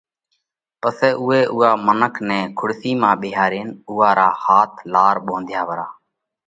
پسئہ اُوئي اُوئا منک نئہ ڪُرسِي مانه ٻيهارينَ اُوئا را هاٿ لار ٻونڌيا پرا